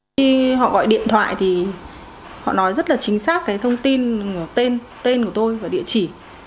khi họ gọi điện thoại thì họ nói rất là chính xác cái thông tin tên của tôi và địa chỉ